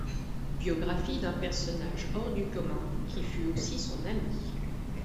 Biographie d'un personnage hors du commun qui fut aussi son ami.